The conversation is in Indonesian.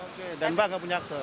oke dan mbak nggak punya akte